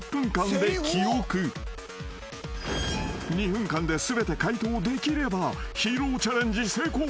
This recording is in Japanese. ［２分間で全て解答できればヒーローチャレンジ成功］